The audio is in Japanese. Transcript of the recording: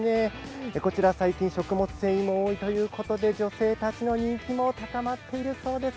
こちら最近、食物繊維が豊富ということで女性からの人気も高まっているそうです。